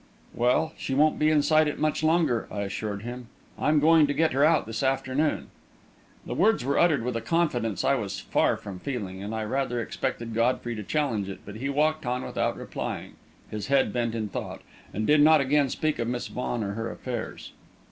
"Well, she won't be inside it much longer," I assured him. "I'm going to get her out this afternoon." The words were uttered with a confidence I was far from feeling, and I rather expected Godfrey to challenge it, but he walked on without replying, his head bent in thought, and did not again speak of Miss Vaughan or her affairs.